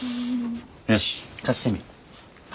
よし貸してみ。